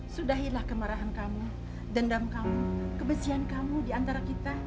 sudahilah kemarahan kamu dendam kamu kebencian kamu diantara kita